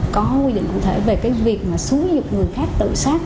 có quy định cụ thể về việc xử dụng người khác tự sát